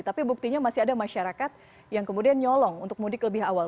tapi buktinya masih ada masyarakat yang kemudian nyolong untuk mudik lebih awal